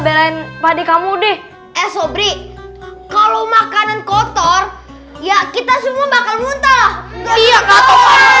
belain padi kamu deh eh sobri kalau makanan kotor ya kita semua bakal muntah siap atau